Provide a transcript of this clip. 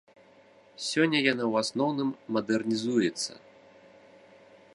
Сёння яна ў асноўным мадэрнізуецца.